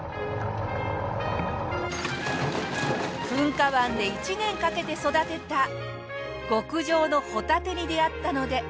噴火湾で１年かけて育てた極上のホタテに出会ったので。